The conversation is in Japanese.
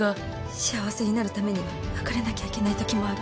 幸せになるためには別れなきゃいけないときもある。